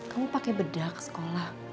kamu pake bedah ke sekolah